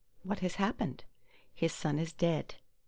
What has happened? "His son is dead."